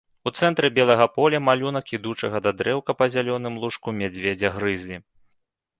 У цэнтры белага поля малюнак ідучага да дрэўка па зялёным лужку мядзведзя грызлі.